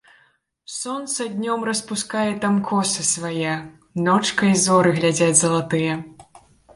Сонца днём распускае там косы свае, ночкай зоры глядзяць залатыя.